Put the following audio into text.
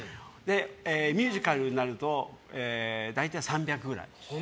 ミュージカルになると大体３００ぐらい。